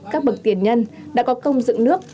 các bậc tiền nhân đã có công dựng nước